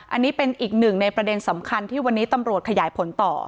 อันนี้เป็นอีกหนึ่งในประเด็นสำคัญที่วันนี้ตำรวจขยายผลต่อ